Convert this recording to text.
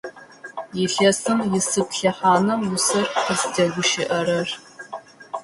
Илъэсым исыд лъэхъана усэр къызтегущыӏэрэр?